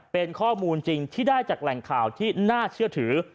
เป็นข้อมูลจริงที่ได้จากแหล่งข่าวที่น่าเชื่อถือ